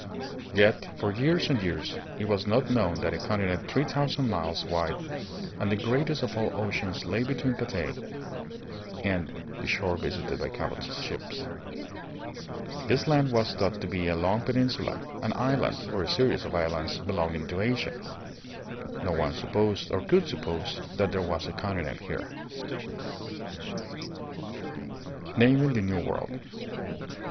Yet for years and years it was not known that a continent three thousand miles wide and the greatest of all oceans lay between Cathay and the shore visited by Cabot's ships. This land was thought to be a long peninsula, an island, or series of islands, belonging to Asia. No one supposed or could sup pose that there was a continent here. THE GREAT GEOGRAPHICAL DISCOVERIES. 71 Naming the New World.